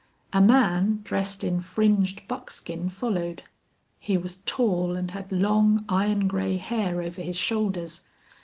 A man, dressed in fringed buckskin, followed. He was tall, and had long, iron gray hair over his shoulders.